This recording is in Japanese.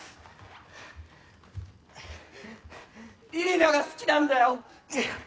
李里奈が好きなんだよ！